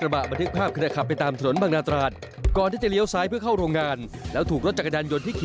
ว่ากำลังขี่รถจักรยานยนต์ไปจังหวัดชวนบุรี